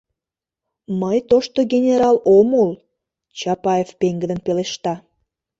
Мый тошто генерал ом ул, — Чапаев пеҥгыдын пелешта.